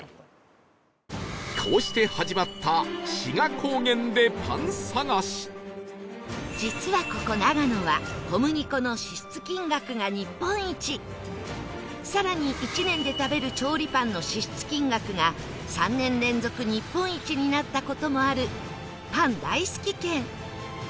こうして始まった実はここ長野はさらに１年で食べる調理パンの支出金額が３年連続日本一になった事もあるパン大好き県